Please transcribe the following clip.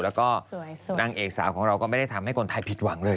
แล้วก็นางเอกสาวของเราก็ไม่ได้ทำให้คนไทยผิดหวังเลย